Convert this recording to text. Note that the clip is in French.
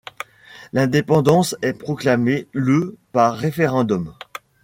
L'indépendance est proclamée le par référendum.